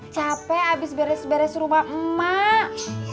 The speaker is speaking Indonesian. capek abis beres beres rumah emak